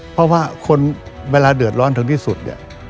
เพราะว่าคนเวลาเดือดร้อนถึงที่สุดเนี่ย